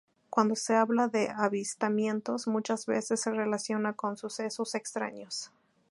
Cuando se habla de avistamientos muchas veces se relaciona con sucesos 'extraños'.